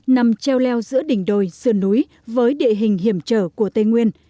nằm treo leo giữa đỉnh đồi sư núi với địa hình hiểm trở của tây nguyên